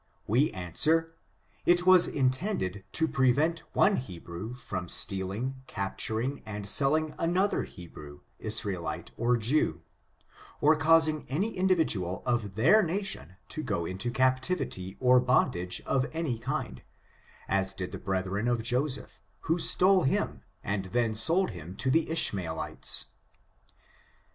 We an swer, it was intended to prevent one Hebrew from stealing, capturing and selling another Hebrew, Isra elite, or Jew» or causing any individual of their na« rf^ilri FORTUNES, OF THE NEGRO RACE. S36 ', i Hon to go into captivity oi bondage of any kind, as did the brethren of Joseph, who stole him, and then sold him to the IshmaeUtes.